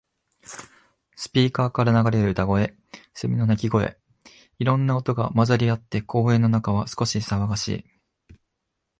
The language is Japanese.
スピーカーから流れる歌声、セミの鳴き声。いろんな音が混ざり合って、公園の中は少し騒がしい。